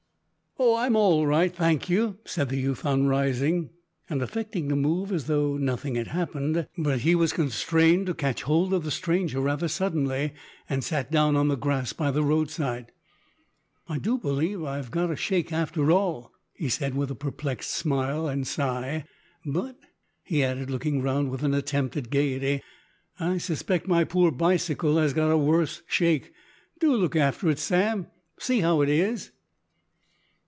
"Oh! I'm all right, thank you," said the youth on rising, and affecting to move as though nothing had happened, but he was constrained to catch hold of the stranger rather suddenly, and sat down on the grass by the road side. "I do believe I've got a shake after all," he said with a perplexed smile and sigh. "But," he added, looking round with an attempt at gaiety, "I suspect my poor bicycle has got a worse shake. Do look after it, Sam, and see how it is."